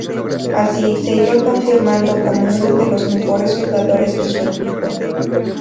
Así, se iba confirmando como uno de los mejores jugadores de su equipo.